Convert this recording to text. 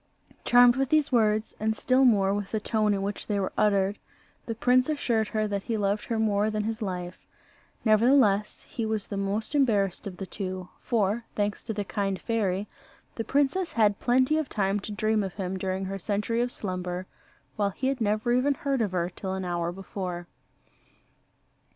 Charmed with these words, and still more with the tone in which they were uttered, the prince assured her that he loved her more than his life. Nevertheless, he was the most embarrassed of the two; for, thanks to the kind fairy, the princess had plenty of time to dream of him during her century of slumber, while he had never even heard of her till an hour before.